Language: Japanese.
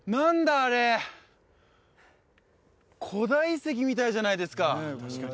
あれ古代遺跡みたいじゃないですか